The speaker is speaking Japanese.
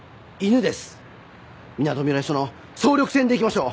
みなとみらい署の総力戦でいきましょう！